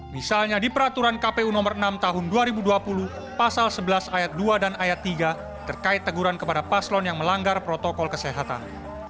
misalnya di peraturan kpu nomor enam tahun dua ribu dua puluh pasal sebelas ayat dua dan ayat tiga terkait teguran kepada paslon yang melanggar protokol kesehatan